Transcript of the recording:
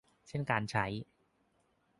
เช่นการใช้